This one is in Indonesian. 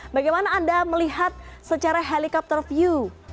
bagaimana anda melihat secara helikopter view